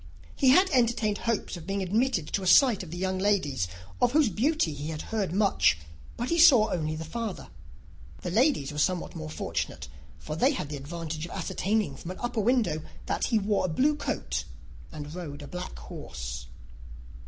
He had entertained hopes of being admitted to a sight of the young ladies, of whose beauty he had heard much; but he saw only the father. The ladies were somewhat more fortunate, for they had the advantage of ascertaining, from an upper window, that he wore a blue coat and rode a black horse.